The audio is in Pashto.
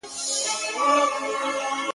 لوی تاریخ پروت دی